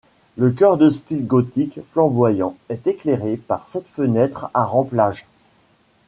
Le chœur de style gothique flamboyant est éclairé par sept fenêtres à remplage.